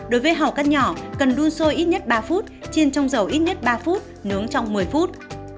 đối với hào cắt nhỏ cần đun sôi ít nhất ba phút chiên trong dầu ít nhất ba phút nướng trong một mươi phút